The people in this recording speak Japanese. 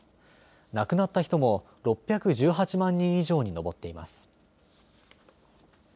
亡くなった人も６１８万人以上に上っています。